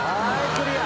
クリア。